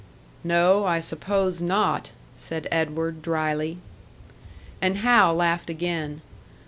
"No, I suppose not," said Edward, drily. And Hal laughed again.